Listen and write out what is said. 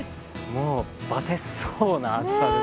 もう、バテそうな暑さですよね。